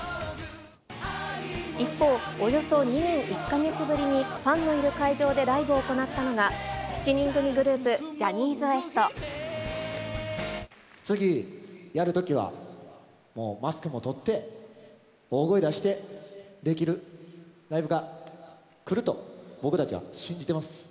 一方、およそ２年１か月ぶりにファンのいる会場でライブを行ったのが、７人組グループ、次やるときは、もうマスクも取って、大声出してできるライブが来ると、僕たちは信じてます。